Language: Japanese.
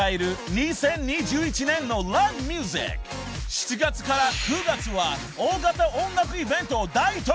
［７月から９月は大型音楽イベントを大特集］